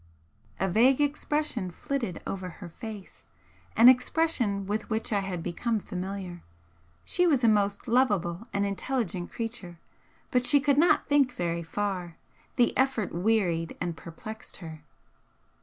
A vague expression flitted over her face, an expression with which I had become familiar. She was a most lovable and intelligent creature, but she could not think very far, the effort wearied and perplexed her.